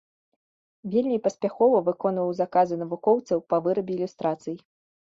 Вельмі паспяхова выконваў заказы навукоўцаў па вырабе ілюстрацый.